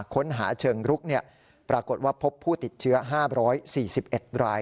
ค้นหาเชิงรุกปรากฏว่าพบผู้ติดเชื้อ๕๔๑ราย